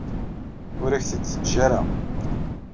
Ur ak-t-id-teǧǧa ara.